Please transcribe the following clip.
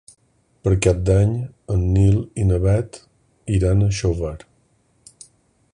Per Cap d'Any en Nil i na Bet iran a Xóvar.